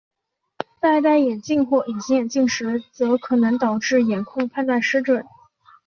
在戴眼镜或隐形眼镜时可能导致眼控判断失准。